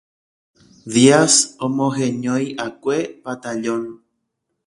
Díaz omoheñoiʼakue Batallón.